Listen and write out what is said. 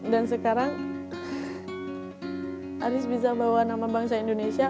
dan sekarang aris bisa bawa nama bangsa indonesia